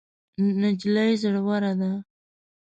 نجلۍ زړوره ده.